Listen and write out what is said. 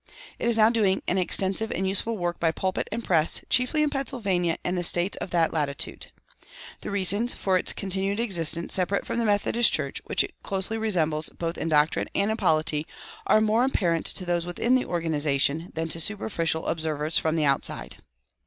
It is now doing an extensive and useful work by pulpit and press, chiefly in Pennsylvania and the States of that latitude. The reasons for its continued existence separate from the Methodist Church, which it closely resembles both in doctrine and in polity, are more apparent to those within the organization than to superficial observers from outside.